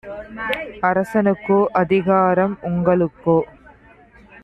அரசனுக்கோ அதிகாரம் உங்க ளுக்கோ?